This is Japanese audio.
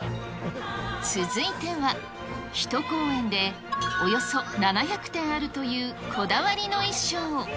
続いては、１公演でおよそ７００点あるというこだわりの衣装。